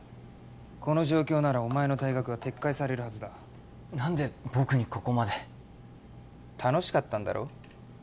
この状況ならお前の退学は撤回されるはずだ何で僕にここまで楽しかったんだろ？